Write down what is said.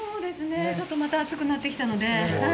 ちょっとまた暑くなってきたので。